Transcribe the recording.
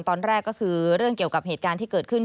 ตอนแรกก็คือเรื่องเกี่ยวกับเหตุการณ์ที่เกิดขึ้น